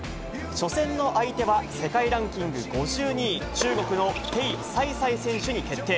初戦の相手は、世界ランキング５２位、中国の鄭賽賽選手に決定。